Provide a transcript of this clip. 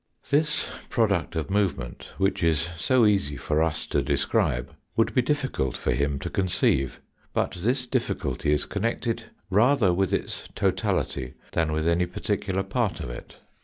This product of movement, which it is so easy for us to describe, would be difficult for him to conceive. But this difficulty is connected rather with its totality than with any particular part of it.